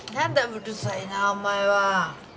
うるさいなお前は。